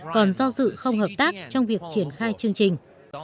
còn do sự không hợp tác trong việc triển khai chương trình